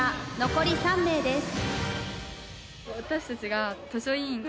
残り３名です。